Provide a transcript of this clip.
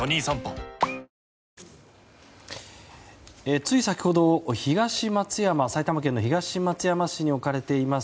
つい先ほど埼玉県東松山市に置かれています